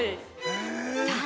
◆さあ